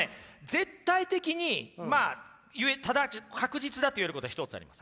絶対的に確実だと言えることが一つあります。